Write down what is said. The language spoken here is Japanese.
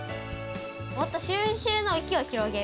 もっと収集の域を広げる。